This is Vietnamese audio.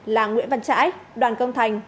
là nguyễn văn trãi đoàn công thành